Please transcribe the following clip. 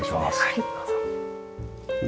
はいどうぞ。